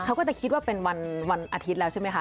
เขาก็จะคิดว่าเป็นวันอาทิตย์แล้วใช่ไหมคะ